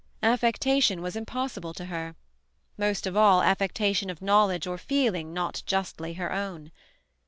Affectation was impossible to her, most of all, affectation of knowledge or feeling not justly her own.